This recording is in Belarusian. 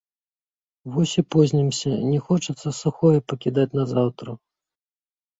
Вось і познімся, не хочацца сухое пакідаць на заўтра!